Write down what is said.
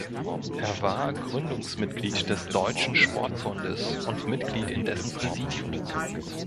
Er war Gründungsmitglied des Deutschen Sportbundes und Mitglied in dessen Präsidium.